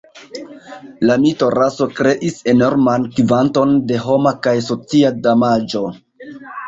La mito 'raso' kreis enorman kvanton de homa kaj socia damaĝo.